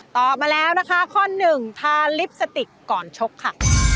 มาแล้วนะคะข้อหนึ่งทาลิปสติกก่อนชกค่ะ